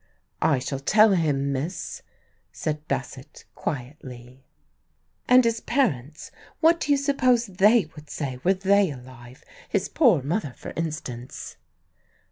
"I shall tell him, miss," said Bassett quietly. "And his parents what do you suppose they would say, were they alive? His poor mother, for instance?"